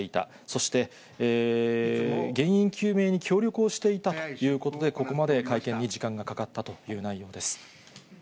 そして、原因究明に協力をしていたということで、ここまで会見に時間がかかったという内容です。